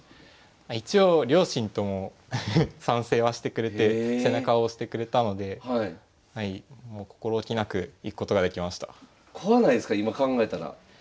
一応両親とも賛成はしてくれて背中を押してくれたのでもう心おきなくいくことができました。